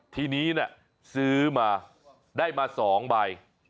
ทีนี้ซื้อมาได้มา๒ใบ